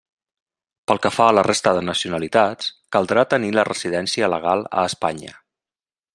Pel que fa a la resta de nacionalitats caldrà tenir la residència legal a Espanya.